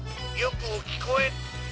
よく聞こえ。